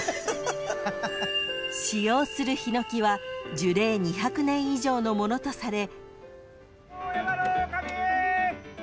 ［使用するヒノキは樹齢２００年以上のものとされ］